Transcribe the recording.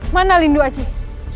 mana lindu acik